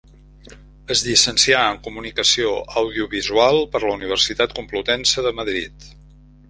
Es llicencià en Comunicació Audiovisual per la Universitat Complutense de Madrid.